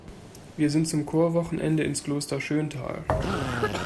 Wir sind zum Chorwochenende ins Kloster Schöntal.